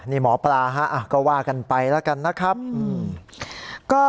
นี่หมอปลาฮะก็ว่ากันไปแล้วกันนะครับ